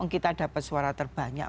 kita dapat suara terbanyak